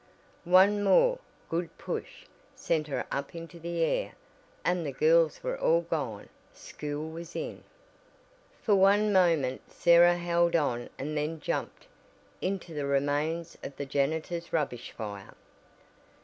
One more "good push" sent her up into the air, and the girls were all gone school was in. For one moment Sarah held on and then jumped into the remains of the janitor's rubbish fire!